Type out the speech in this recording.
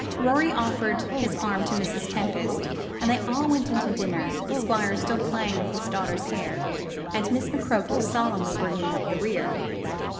Rorie offered his arm to Mrs. Tempest, and they all went in to dinner, the squire still playing with his daughter's hair, and Miss McCroke solemnly bringing up the rear.